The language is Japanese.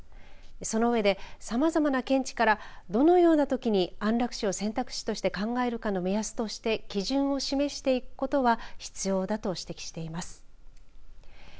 その上で、さまざまな見地からどのようなときに安楽死を選択肢として考えるかの目安として基準を示していくことは必要だと指摘しています。